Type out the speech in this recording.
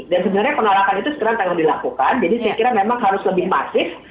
dan sebenarnya penolakan itu sekarang telah dilakukan jadi saya kira memang harus lebih masif